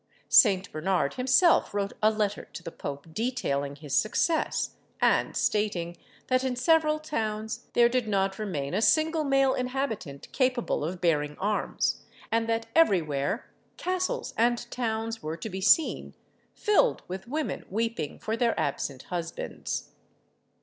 St. Bernard himself wrote a letter to the Pope detailing his success, and stating, that in several towns there did not remain a single male inhabitant capable of bearing arms, and that every where castles and towns were to be seen filled with women weeping for their absent husbands.